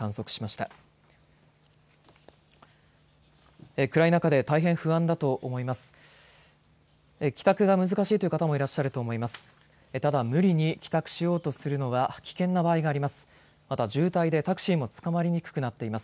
ただ無理に帰宅しようとするのは危険な場合があります。